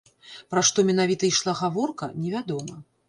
Пра што менавіта ішла гаворка, невядома.